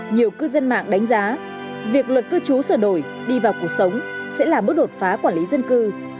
nhiều cư dân mạng đánh giá việc luật cư trú sửa đổi đi vào cuộc sống sẽ là bước đột phá quản lý dân cư